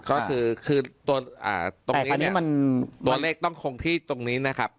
ก็คือตรงนี้ตัวเลขต้องคงที่ตรงนี้นะครับ